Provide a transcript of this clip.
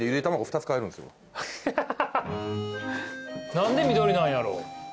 何で緑なんやろ？